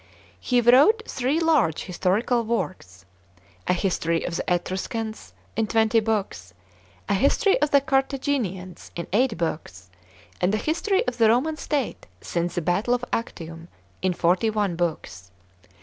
He wrote three large historical works : a history of the Etruscans, in twenty Books ; a history of the Carthaginians, in eight Books : and a history of the Roman state since the battle of Actium, in forty one Books.